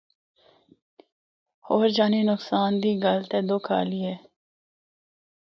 ہور جانی نقصان دی گل تے دُکھ آلی اے۔